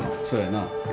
そうやな。